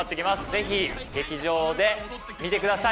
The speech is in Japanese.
ぜひ劇場で見てください